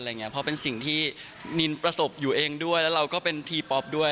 เพราะเป็นสิ่งที่นินประสบอยู่เองด้วยแล้วเราก็เป็นทีป๊อปด้วย